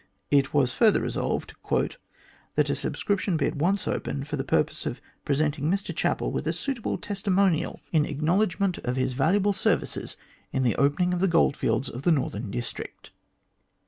It was further resolved :" That a subscription be at once opened for the purpose of pre senting Mr Chapel with a suitable testimonial in acknowledgment 96 THE GLADSTONE COLONY of his valuable services in the opening of the goldfields of the Northern District."